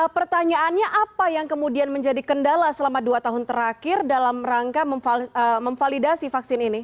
pertanyaannya apa yang kemudian menjadi kendala selama dua tahun terakhir dalam rangka memvalidasi vaksin ini